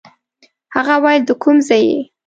هغه ویل د کوم ځای یې.